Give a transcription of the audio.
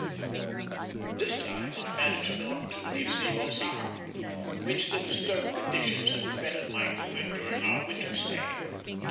This time I managed an opportunity of seeing Osaka, which the disturbed conditions had prevented my doing during our winter stay.